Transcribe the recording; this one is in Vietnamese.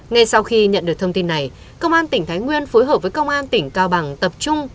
ngay sau khi nhận được thông tin này công an tỉnh thái nguyên phối hợp với công an tỉnh cao bằng tập trung